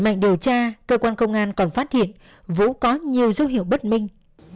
mạnh điều tra cơ quan công an còn phát hiện vũ có nhiều dấu hiệu bất minh